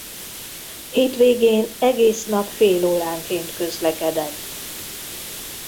Hétvégén egész nap félóránként közlekedett.